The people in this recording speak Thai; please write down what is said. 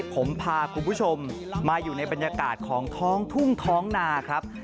ผมพาคุณผู้ชมมาอยู่ในบรรยากาศของท้องทุ่งท้องนาครับ